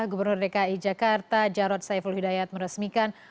gubernur dki jakarta jarod saiful hidayat meresmikan